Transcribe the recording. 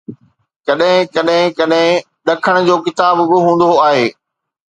ڪڏھن ڪڏھن ڪڏھن ڏکن جو ڪتاب به ھوندو آھي